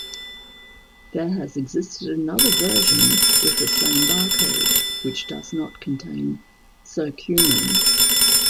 There has existed another version with the same barcode, which does not contain curcumin.